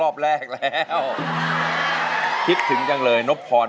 เพลงที่๑มูลค่า๑๐๐๐๐บาท